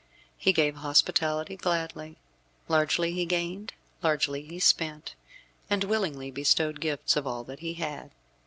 He gave hospitality gladly. Largely he gained, largely he spent, and willingly bestowed gifts of all that he had.